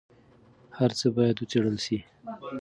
هر څه باید وڅېړل سي.